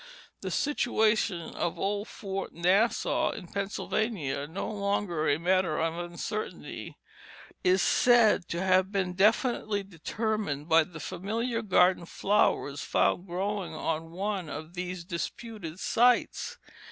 The situation of old Fort Nassau, in Pennsylvania, so long a matter of uncertainty, is said to have been definitely determined by the familiar garden flowers found growing on one of these disputed sites.